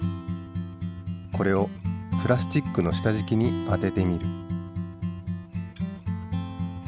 これをプラスチックの下じきに当ててみる。